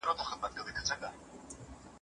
خپل ځان له یخنۍ څخه وساتئ.